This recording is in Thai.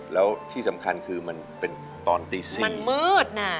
แล้วที่สำคัญคือมันเป็นตอนตี๔มันมืดน่ะ